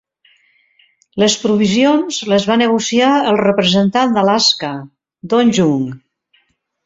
Les provisions les va negociar el representant d'Alaska, Don Young.